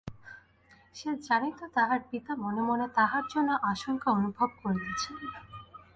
সে জানিত, তাহার পিতা মনে মনে তাহার জন্য আশঙ্কা অনুভব করিতেছেন।